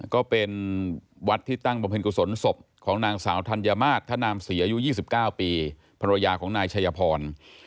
ก็เป็นวัดที่ตั้งบำเพ็ญกุศลศพของนางสาวธัญมาตรธนามศรีอายุ๒๙ปีภรรยาของนายชัยพร